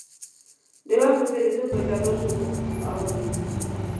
د وخت په تېرېدو په جلا ژبو اوړي.